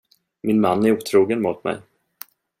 Min man är otrogen mot mig.